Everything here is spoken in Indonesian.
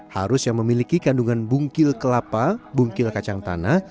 harus yang memiliki kandungan bungkil kelapa bungkil kacang tanah